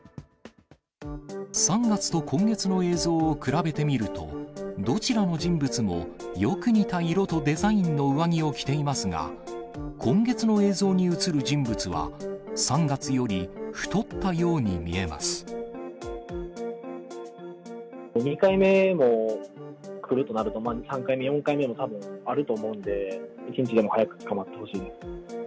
３月と今月の映像を比べてみると、どちらの人物も、よく似た色とデザインの上着を着ていますが、今月の映像に写る人物は、２回目も来るとなると、３回目、４回目もたぶんあると思うんで、一日でも早く捕まってほしい。